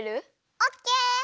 オッケー！